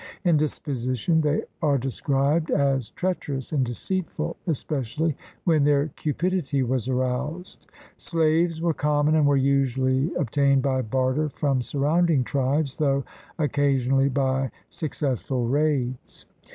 In disposition they are described as treacherous and deceitful, especially when their cupidity was aroused. Slaves were common and were usually obtained by barter from surrounding tribes, though occasionally by success ful raids.